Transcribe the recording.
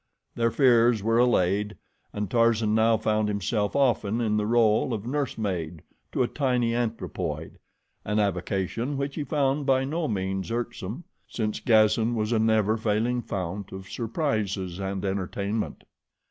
Their fears were allayed and Tarzan now found himself often in the role of nursemaid to a tiny anthropoid an avocation which he found by no means irksome, since Gazan was a never failing fount of surprises and entertainment.